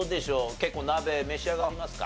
結構鍋召し上がりますか？